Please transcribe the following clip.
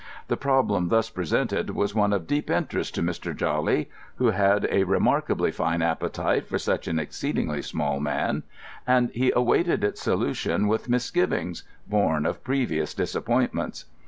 The problem thus presented was one of deep interest to Mr. Jawley, who had a remarkably fine appetite for such an exceedingly small man, and he awaited its solution with misgivings born of previous disappointments.